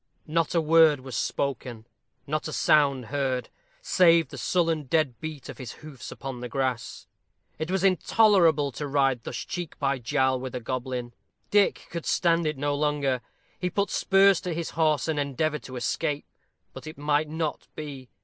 Not a word was spoken not a sound heard, save the sullen dead beat of his hoofs upon the grass. It was intolerable to ride thus cheek by jowl with a goblin. Dick could stand it no longer. He put spurs to his horse, and endeavored to escape. But it might not be.